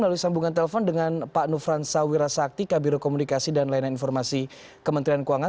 hubungan telepon dengan pak nufransa wirasakti kabiru komunikasi dan lainnya informasi kementerian keuangan